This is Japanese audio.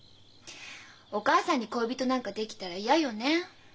お母さんに恋人なんか出来たら嫌よね。